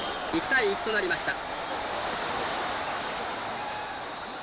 １対１となりました